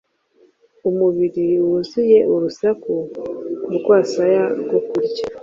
umubiri wuzuye urusaku Ku rwasaya rwo kurya.